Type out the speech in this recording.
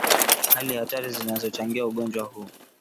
Hali hatari zinazochangia ugonjwa huu